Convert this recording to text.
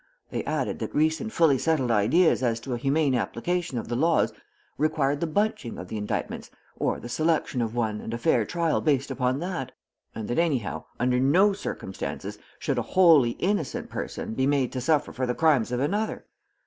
They added that recent fully settled ideas as to a humane application of the laws required the bunching of the indictments or the selection of one and a fair trial based upon that, and that anyhow, under no circumstances, should a wholly innocent person be made to suffer for the crimes of another.